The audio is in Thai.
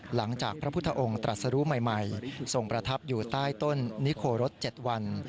พระพุทธองค์ตรัสรู้ใหม่ทรงประทับอยู่ใต้ต้นนิโครส๗วัน